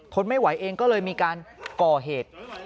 ทนไม่ไหวเองก็เลยมีการก่อเหตุ